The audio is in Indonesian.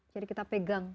jadi kita pegang